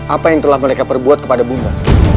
apa yang telah mereka perbuat kepada bunda